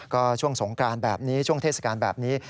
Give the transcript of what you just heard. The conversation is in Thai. ก็ช่วงสงกรานแบบนี้ช่วงเทศกาลแบบนี้